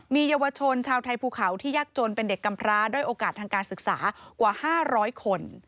มีเยาวชนชาวไทยภูเขาที่ยากจนเป็นเด็กกำพร้าด้วยโอกาสทางการศึกษากว่า๕๐๐คน